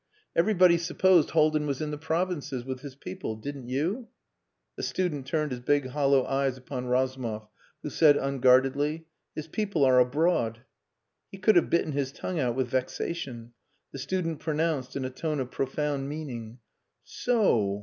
"Everybody supposed Haldin was in the provinces with his people. Didn't you?" The student turned his big hollow eyes upon Razumov, who said unguardedly "His people are abroad." He could have bitten his tongue out with vexation. The student pronounced in a tone of profound meaning "So!